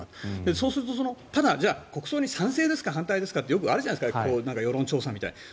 そうするとただじゃあ、国葬に賛成ですか反対ですかってあるじゃないですか世論調査みたいな。